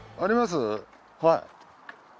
はい。